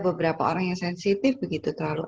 beberapa orang yang sensitif begitu terlalu